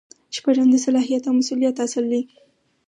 شپږم د صلاحیت او مسؤلیت اصل دی.